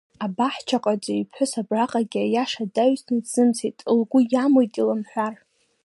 Абаҳчаҟаҵаҩ иԥҳәыс абраҟагьы аиаша даҩсны дзымцеит, лгәы иамуит илымҳәар…